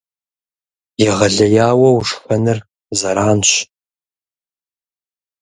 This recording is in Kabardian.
Егъэлеяуэ ушхэныр зэранщ.